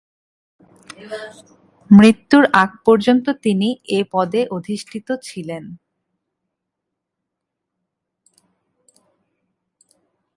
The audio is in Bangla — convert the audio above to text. মৃত্যুর আগ পর্যন্ত তিনি এ পদে অধিষ্ঠিত ছিলেন।